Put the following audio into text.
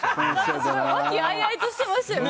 和気あいあいとしてましたよね。